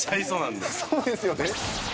そうですよね。